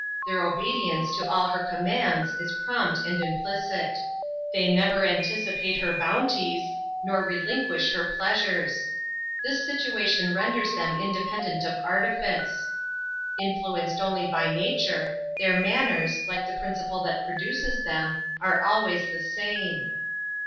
Their obedience to all her commands is prompt and implicit. They never anticipate her bounties, nor relinquish her pleasures. This situation renders them independent of artifice. Influenced only by nature, their manners, like the principle that produces them, are always the same.